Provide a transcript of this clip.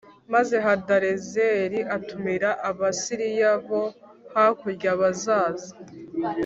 Maze Hadarezeri atumira Abasiriya bo hakurya bazaza